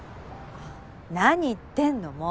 何言ってんのもう！